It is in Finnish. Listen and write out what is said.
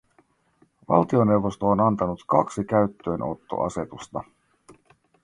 Valtioneuvosto on antanut kaksi käyttöönottoasetusta.